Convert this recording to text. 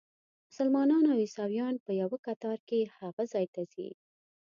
مسلمانان او عیسویان په یوه کتار کې هغه ځای ته ځي.